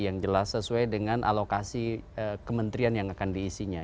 yang jelas sesuai dengan alokasi kementerian yang akan diisinya